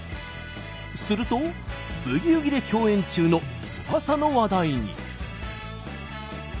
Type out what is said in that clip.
すると「ブギウギ」で共演中の翼の話題に。